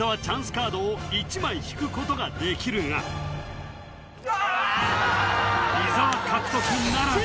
カードを１枚引くことができるが伊沢獲得ならず！